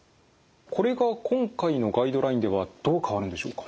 これが今回のガイドラインではどう変わるんでしょうか。